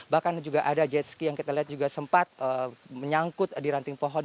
bahkan juga ada jet ski yang kita lihat juga sempat menyangkut di ranting pohon